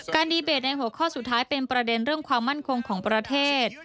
ดีเบตใน๖ข้อสุดท้ายเป็นประเด็นเรื่องความมั่นคงของประเทศ